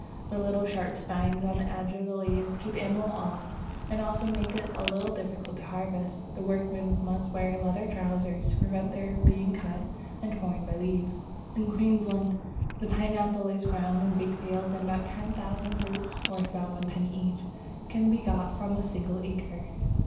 The little sharp spines on the edges of the leaves keep animals off, and also make it a little difficult to harvest. The workmen must wear leather trousers to prevent their being cut and torn by the leaves. In Queensland the pineapple is grown in big fields, and about ten thousand fruits (worth about one penny each) can be got from a single acre.